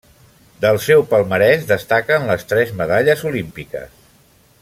Del seu palmarès destaquen les tres medalles olímpiques.